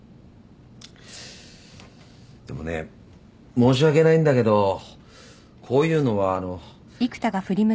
でもね申し訳ないんだけどこういうのはあの。